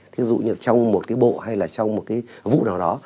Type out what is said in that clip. thí dụ như trong một cái bộ hay là trong một cái vụ nào đó